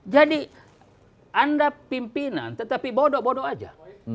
jadi anda pimpinan tetapi bodoh bodoh saja